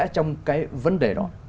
trong cái vấn đề đó